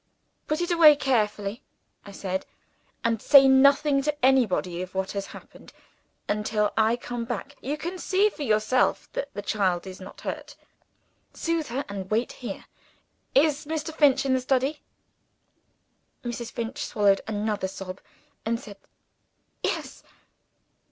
"Put it away carefully," I said; "and say nothing to anybody of what has happened, until I come back. You can see for yourself that the child is not hurt. Soothe her, and wait here. Is Mr. Finch in the study?" Mrs. Finch swallowed another sob, and said, "Yes."